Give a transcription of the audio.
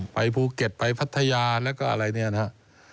ไปภูเก็ตไปพัทยาแล้วก็อะไรเนี่ยนะครับ